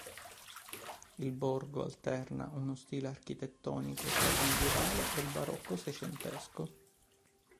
Il borgo alterna uno stile architettonico tra il medievale e il barocco seicentesco.